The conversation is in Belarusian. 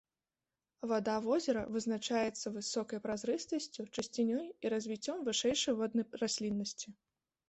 Вада возера вызначаецца высокай празрыстасцю, чысцінёй і развіццём вышэйшай воднай расліннасці.